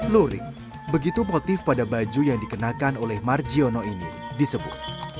luring begitu motif pada baju yang dikenakan oleh margiono ini disebut